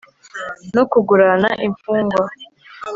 no kugurana imfungwa